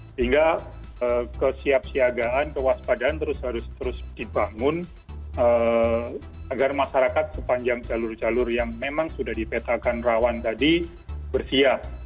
sehingga kesiap siagaan kewaspadaan terus terus dibangun agar masyarakat sepanjang jalur jalur yang memang sudah dipetakan rawan tadi bersia